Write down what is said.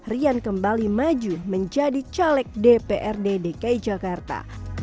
rian kembali maju menjadi caleg dprd dki jakarta